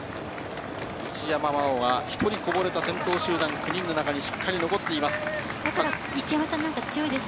一山麻緒が１人こぼれた先頭集団９人の中にしっかり残っています。